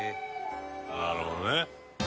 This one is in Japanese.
「なるほどね」